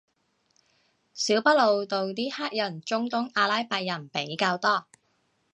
小北路度啲黑人中東阿拉伯人比較多